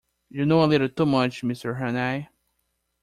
You know a little too much, Mr Hannay.